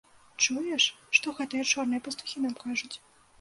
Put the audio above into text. Чуеш, што гэтыя чорныя пастухі нам кажуць?